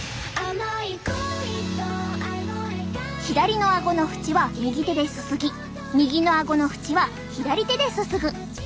左のあごの縁は右手ですすぎ右のあごの縁は左手ですすぐ。